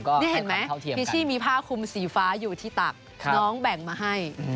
นี่เห็นไหมพิชชี่มีผ้าคุมสีฟ้าอยู่ที่ตักน้องแบ่งมาให้